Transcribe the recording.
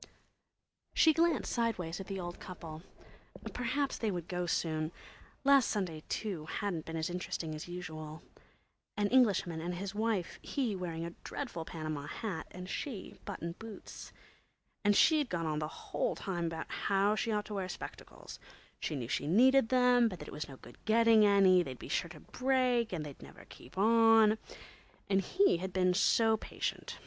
She glanced, sideways, at the old couple. Perhaps they would go soon. Last Sunday, too, hadn't been as interesting as usual. An Englishman and his wife, he wearing a dreadful Panama hat and she button boots. And she'd gone on the whole time about how she ought to wear spectacles; she knew she needed them; but that it was no good getting any; they'd be sure to break and they'd never keep on. And he'd been so patient.